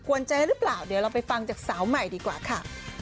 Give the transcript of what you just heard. วนใจหรือเปล่าเดี๋ยวเราไปฟังจากสาวใหม่ดีกว่าค่ะ